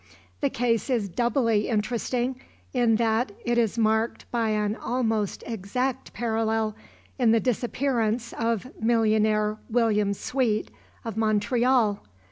The case is doubly interesting in that it is marked by an almost exact parallel in the disappearance of millionaire William Sweet of Montreal.